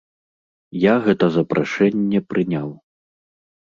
Я гэта запрашэнне прыняў.